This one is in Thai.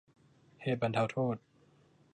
เหตุบรรเทาโทษ